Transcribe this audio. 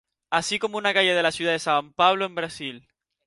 Así como una calle de la ciudad de San Pablo en Brasil.